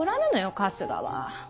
春日は。